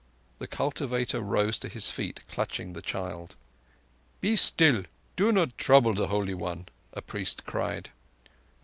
The cultivator rose to his feet, clutching the child. "Be still. Do not trouble the Holy One," a priest cried.